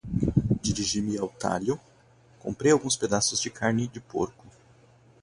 Dirigi-me ao talho. Comprei alguns pedaços de carne de porco.